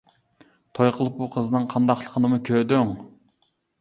توي قىلىپ ئۇ قىزنىڭ قانداقلىقىنىمۇ كۆردۈڭ.